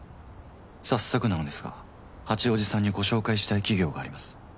早速なのですが八王子さんにご紹介したい企業があります。